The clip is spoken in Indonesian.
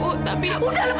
udah lepasin ibu lepasin ibu